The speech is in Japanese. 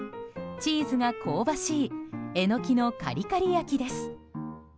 チーズが香ばしいエノキのカリカリ焼きです。